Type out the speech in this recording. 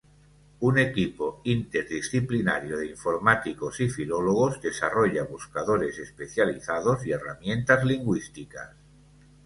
Un equipo interdisciplinario de informáticos y filólogos desarrolla buscadores especializados y herramientas lingüísticas.